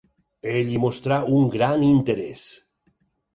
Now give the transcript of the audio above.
Ell hi mostrà un gran interès.